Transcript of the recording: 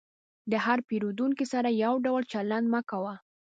د هر پیرودونکي سره یو ډول چلند مه کوه.